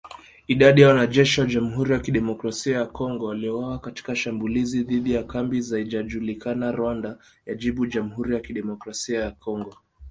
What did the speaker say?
Idadi ya wanajeshi wa Jamuhuri ya kidemokrasia ya Kongo waliouawa katika shambulizi dhidi ya kambi zhaijajulikana Rwanda yajibu Jamuhuri ya kidemokrasia ya Kongo